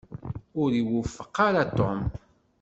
Ur iwufeq ara Tom.